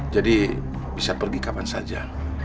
jadi bisa pergi kapan saja